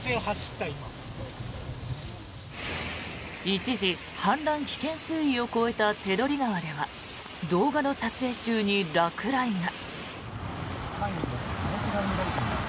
一時、氾濫危険水位を超えた手取川では動画の撮影中に落雷が。